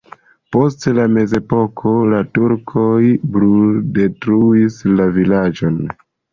Post la mezepoko la turkoj bruldetruis la vilaĝon.